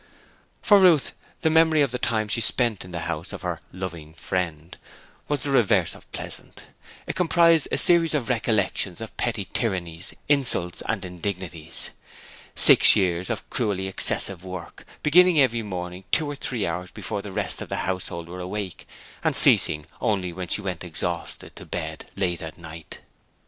For Ruth, the memory of the time she spent in the house of 'her loving friend' was the reverse of pleasant. It comprised a series of recollections of petty tyrannies, insults and indignities. Six years of cruelly excessive work, beginning every morning two or three hours before the rest of the household were awake and ceasing only when she went exhausted to bed, late at night.